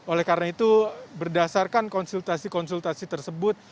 oleh karena itu berdasarkan konsultasi konsultasi tersebut